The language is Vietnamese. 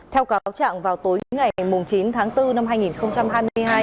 theo cáo trạng vào tối ngày chín tháng bốn năm hai nghìn hai mươi hai